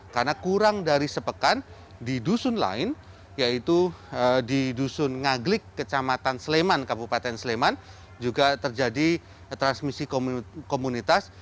karena kurang dari sepekan di dusun lain yaitu di dusun ngaglik kecamatan sleman kabupaten sleman juga terjadi transmisi komunitas